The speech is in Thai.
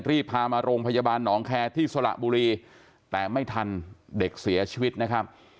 รีบพามาโรงพยาบาลหนองแคร์ที่สระบุรีแต่ไม่ทันเด็กเสียชีวิตนะครับ